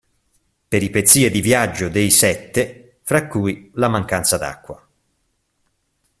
Peripezie di viaggio dei Sette, fra cui la mancanza d'acqua.